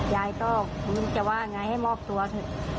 ยายต้องมึงจะว่าไงให้มอบตัวถึง